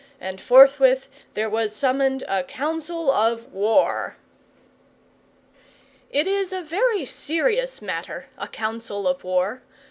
And forthwith there was summoned a Council of War. It is a very serious matter, a Council of War.